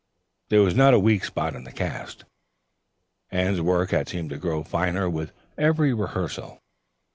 There was not a weak spot in the cast. Anne's work had seemed to grow finer with every rehearsal.